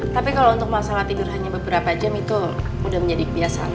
tapi kalau untuk masalah tidur hanya beberapa jam itu udah menjadi kebiasaan